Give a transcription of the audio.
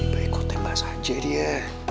baik kok tembak saja dia